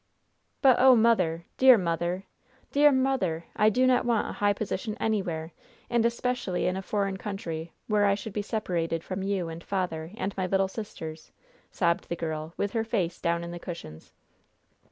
"But, oh, mother! dear mother! dear mother! I do not want a high position anywhere! and especially in a foreign country, where I should be separated from you and father and my little sisters!" sobbed the girl, with her face down in the cushions.